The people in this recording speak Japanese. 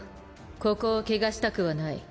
ここを汚したくはない。